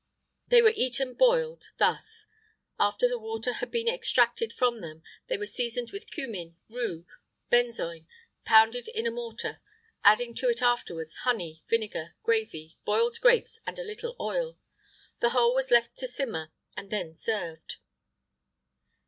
[IX 73] They were eaten boiled, thus: after the water had been extracted from them, they were seasoned with cummin, rue, and benzoin, pounded in a mortar, adding to it afterwards honey, vinegar, gravy, boiled grapes, and a little oil. The whole was left to simmer, and then served.